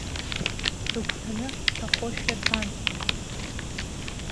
Рыгәҭаны сҭахошәа рбан.